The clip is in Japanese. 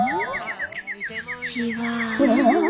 じわ。